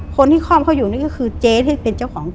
คล่อมเขาอยู่นี่ก็คือเจ๊ที่เป็นเจ้าของ